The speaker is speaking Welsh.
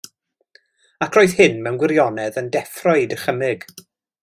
Ac roedd hyn mewn gwirionedd yn deffro ei dychymyg.